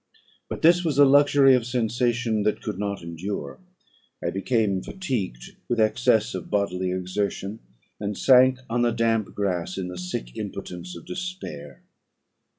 "But this was a luxury of sensation that could not endure; I became fatigued with excess of bodily exertion, and sank on the damp grass in the sick impotence of despair.